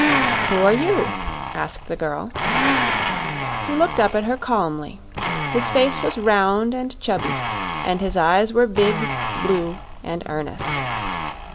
"Who are you?" asked the girl. He looked up at her calmly. His face was round and chubby and his eyes were big, blue and earnest.